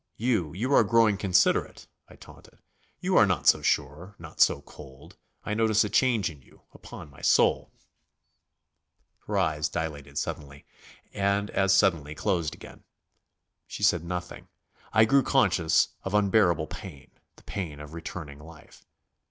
"You you are growing considerate," I taunted. "You are not so sure, not so cold. I notice a change in you. Upon my soul ..." Her eyes dilated suddenly, and as suddenly closed again. She said nothing. I grew conscious of unbearable pain, the pain of returning life.